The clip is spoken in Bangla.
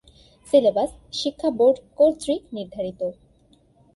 সিলেবাস শিক্ষা বোর্ড কর্তৃক নির্ধারিত।